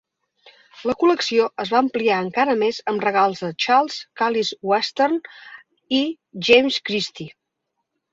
La col·lecció es va ampliar encara més amb regals de Charles Callis Western i James Christie.